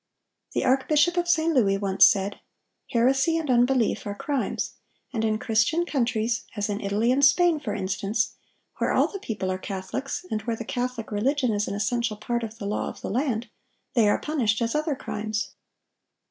'... The archbishop of St. Louis once said: 'Heresy and unbelief are crimes; and in Christian countries, as in Italy and Spain, for instance, where all the people are Catholics, and where the Catholic religion is an essential part of the law of the land, they are punished as other crimes.